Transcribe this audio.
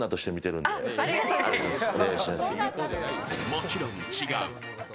もちろん違う。